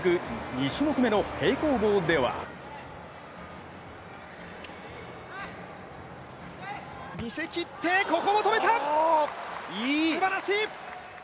２種目めの平行棒では見せきって、ここも止めた、すばらしい！